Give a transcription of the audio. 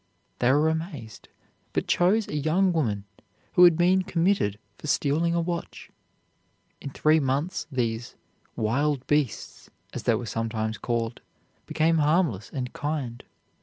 They were amazed, but chose a young woman who had been committed for stealing a watch. In three months these "wild beasts," as they were sometimes called, became harmless and kind.